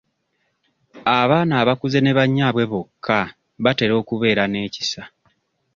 Abaana abakuze ne bannyaabwe bokka batera okubeera n'ekisa.